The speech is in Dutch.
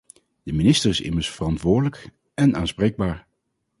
De minister is immers verantwoordelijk en aanspreekbaar.